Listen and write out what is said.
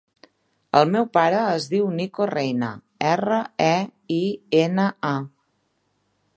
El meu pare es diu Niko Reina: erra, e, i, ena, a.